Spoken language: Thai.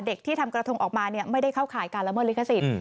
ที่ทำกระทงออกมาไม่ได้เข้าข่ายการละเมิดลิขสิทธิ์